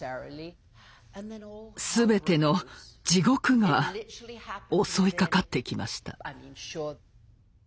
全ての地獄が襲いかかってきました。